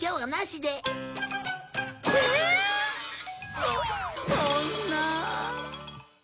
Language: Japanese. そそんな。